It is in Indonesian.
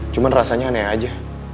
cuman rasanya aneh aja